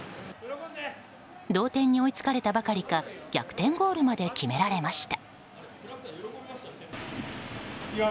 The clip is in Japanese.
同点に追いつかれたばかりか逆転ゴールまで決められました。